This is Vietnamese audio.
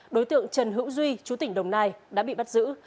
đối tượng trần hữu duy chú tỉnh đồng nai đã bị bắt giữ